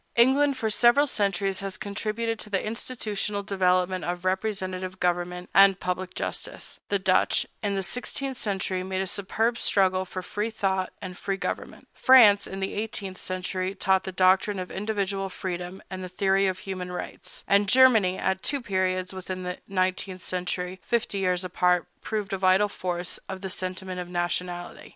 England, for several centuries, has contributed to the institutional development of representative government and public justice; the Dutch, in the sixteenth century, made a superb struggle for free thought and free government; France, in the eighteenth century, taught the doctrine of individual freedom and the theory of human rights; and Germany, at two periods within the nineteenth century, fifty years apart, proved the vital force of the sentiment of nationality.